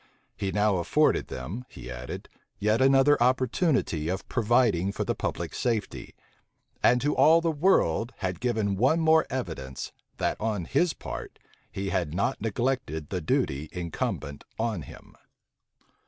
He now afforded them, he added, yet another opportunity of providing for the public safety; and to all the world had given one evidence more, that on his part he had not neglected the duty incumbent on him.